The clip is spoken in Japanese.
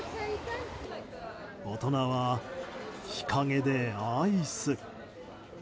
大人は日陰でアイス。